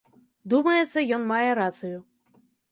Думаецца, ён мае рацыю.